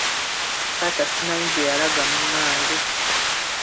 Taata simanyi gye yalaga munnange.